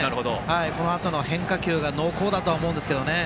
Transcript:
このあとの変化球が濃厚だと思うんですけどね。